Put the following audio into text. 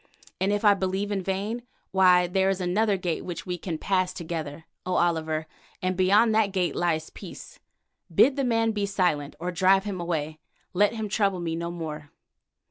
And if I believe in vain, why there is another gate which we can pass together, O Oliver, and beyond that gate lies peace. Bid the man be silent, or drive him away. Let him trouble me no more."